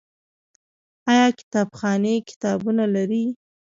آیا کتابخانې کتابونه لري؟